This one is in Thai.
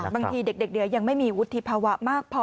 บางทีเด็กยังไม่มีวุฒิภาวะมากพอ